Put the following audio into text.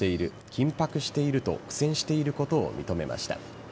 緊迫していると苦戦していることを認めました。